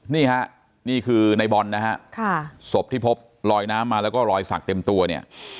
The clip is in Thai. นี่ฮะนี่คือในบอลนะฮะศพที่พบลอยน้ำมาแล้วก็รอยสักเต็มตัวเนี่ย